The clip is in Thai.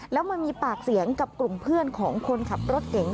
แล้วมันมีปากเสียงกับกลุ่มเพื่อนของคนขับรถเก๋ง